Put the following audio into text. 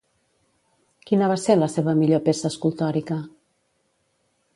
Quina va ser la seva millor peça escultòrica?